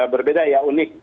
berbeda ya unik